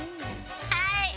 はい！